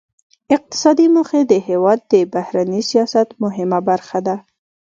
اقتصادي موخې د هیواد د بهرني سیاست مهمه برخه ده